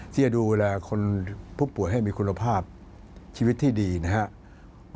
ที่จะดูแลคนผู้ป่วยให้มีคุณภาพชีวิตที่ดีนะครับ